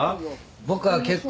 僕は結構。